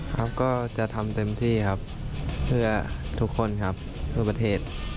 ครับก็จะทำเต็มที่ครับเพื่อทุกคนครับเพื่อประเทศ